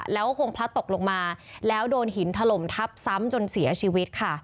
แล้วก็คงพละตกลงมาแล้วโดนหินถล่มทับทรัพย์จนเสียชีวิต